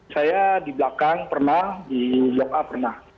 saya di belakang pernah di blok a pernah